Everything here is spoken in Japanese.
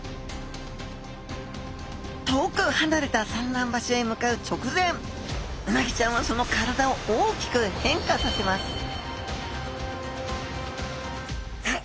遠く離れた産卵場所へ向かう直前うなぎちゃんはその体を大きく変化させますさあ